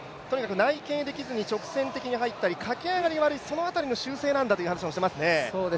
内傾できずに直線的に入ったり駆け上がり、その辺りの修正なんだと話していますね。